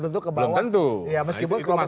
tentu kebawa belum tentu ya meskipun kelompok